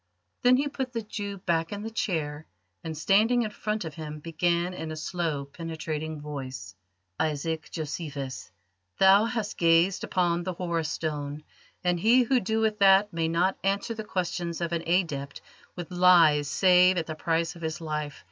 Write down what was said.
Then he put the Jew back in the chair, and standing in front of him began in a slow, penetrating voice: "Isaac Josephus, thou hast gazed upon the Horus Stone, and he who doeth that may not answer the questions of an Adept with lies save at the price of his life.